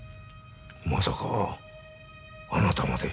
まさかあなたまで。